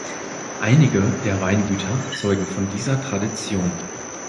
Einige der Weingüter zeugen von dieser Tradition.